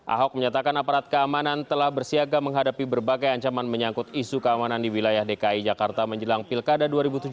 ahok menyatakan aparat keamanan telah bersiaga menghadapi berbagai ancaman menyangkut isu keamanan di wilayah dki jakarta menjelang pilkada dua ribu tujuh belas